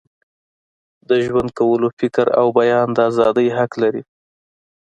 د ژوند کولو، فکر او بیان د ازادۍ حق لري.